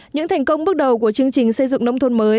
những thành công bước đầu của chương trình xây dựng nông thôn mới